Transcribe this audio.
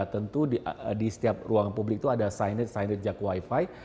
tentu di setiap ruang publik itu ada signar signar jak wifi